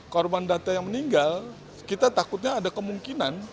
korban data yang meninggal kita takutnya ada kemungkinan